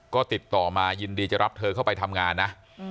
ก็ติดต่อมายินดีจะรับเธอเข้าไปทำงานนะ